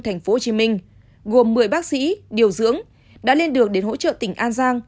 tp hcm gồm một mươi bác sĩ điều dưỡng đã lên đường đến hỗ trợ tỉnh an giang